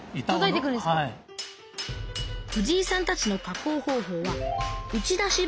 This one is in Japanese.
藤井さんたちの加工方法は打ち出し